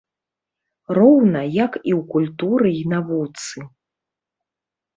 Роўна, як і ў культуры й навуцы.